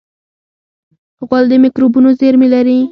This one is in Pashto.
غول د مکروبونو زېرمې لري.